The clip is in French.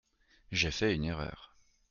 J’ai fait une erreur.